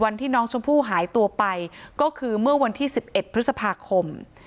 วันที่น้องชมพู่หายตัวไปก็คือเมื่อวันที่๑๑พฤษภาคม